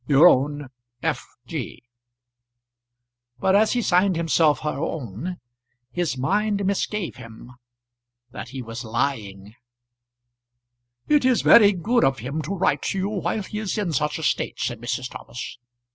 Your own F. G." But as he signed himself her own, his mind misgave him that he was lying. "It is very good of him to write to you while he is in such a state," said Mrs. Thomas.